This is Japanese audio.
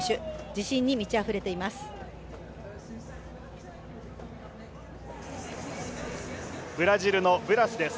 自信に満ちあふれています。